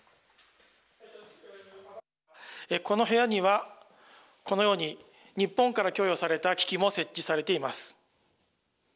この部屋にはこのように日本から供与された機器も設置されています。